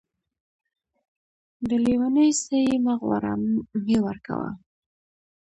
د لېوني څه يې مه غواړه ،مې ورکوه.